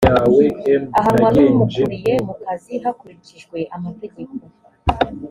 ahanwa n‘umukuriye mu kazi hakurikijwe amategeko